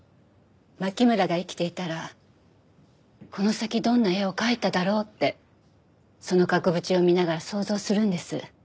牧村が生きていたらこの先どんな絵を描いただろうってその額縁を見ながら想像するんです。